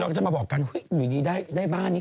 เราก็จะมาบอกกันเฮ้ยเดี๋ยวได้บ้านนี่